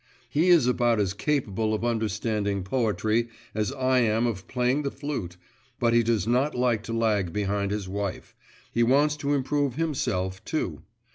He is about as capable of understanding poetry as I am of playing the flute, but he does not like to lag behind his wife, he wants to improve himself too.